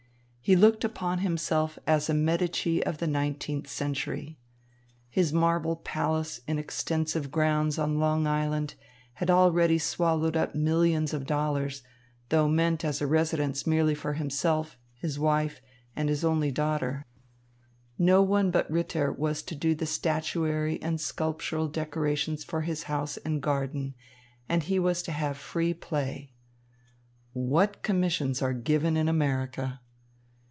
He looked upon himself as a Medici of the nineteenth century. His marble palace in extensive grounds on Long Island had already swallowed up millions of dollars, though meant as a residence merely for himself, his wife, and his only daughter. No one but Ritter was to do the statuary and sculptural decorations for his house and garden, and he was to have free play. What commissions are given in America!